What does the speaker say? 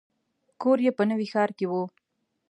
کور یې په نوي ښار کې و.